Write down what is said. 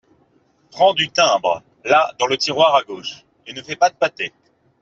Prends du timbre, là dans le tiroir à gauche, et ne fais pas de pâtés.